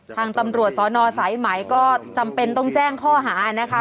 ทางตำรวจสนสายไหมก็จำเป็นต้องแจ้งข้อหานะคะ